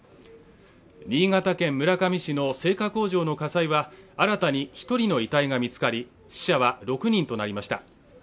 新潟県村上市の製菓工場の火災は新たに１人の遺体が見つかり死者は６人となりました。